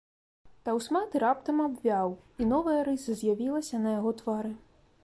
Таўсматы раптам абвяў, і новая рыса з'явілася на яго твары.